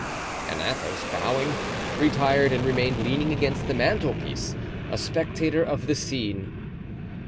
And Athos, bowing, retired and remained leaning against the mantelpiece, a spectator of the scene.